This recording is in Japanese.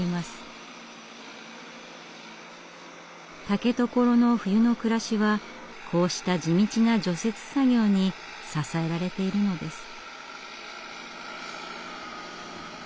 竹所の冬の暮らしはこうした地道な除雪作業に支えられているのです。